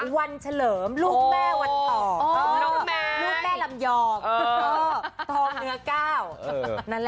วันเฉลิมลูกแม่วันต่อ